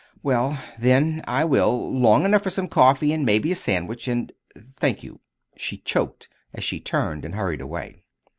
"Well, then I will, long enough for some coffee and maybe a sandwich. And thank you," she choked, as she turned and hurried away.